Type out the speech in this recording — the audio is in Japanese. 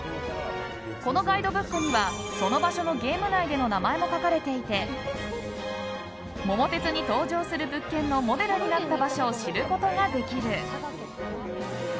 このガイドブックにはその場所のゲーム内での名前も書かれていて「桃鉄」に登場する物件のモデルになった場所を知ることができる。